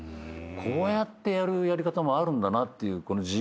こうやってやるやり方もあるんだなっていう自由さがね。